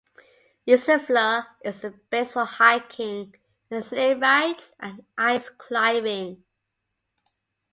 Isenfluh is a base for hiking and sleigh-rides and ice-climbing.